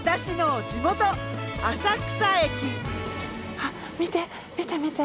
あ見て見て見て！